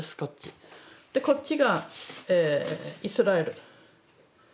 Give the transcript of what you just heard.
でこっちがイスラエル。